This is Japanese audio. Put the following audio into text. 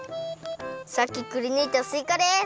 さっきくりぬいたすいかです！